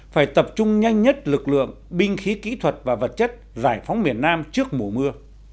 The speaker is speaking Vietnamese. phải tập trung nhanh nhất lực lượng binh khí kỹ thuật và vật chất giải phóng miền nam trước mùa mưa